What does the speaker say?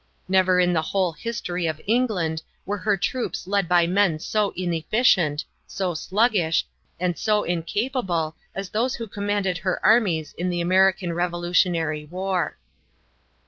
Never in the whole history of England were her troops led by men so inefficient, so sluggish, and so incapable as those who commanded her armies in the American Revolutionary War.